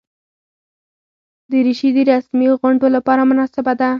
دریشي د رسمي غونډو لپاره مناسبه ده.